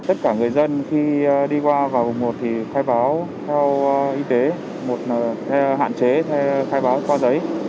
tất cả người dân khi đi qua vào vùng một thì khai báo theo y tế một hạn chế hay khai báo qua giấy